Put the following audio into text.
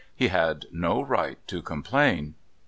He had no right to complain.